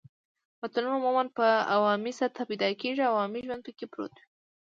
متلونه عموماً په عوامي سطحه پیدا کیږي او عوامي ژوند پکې پروت وي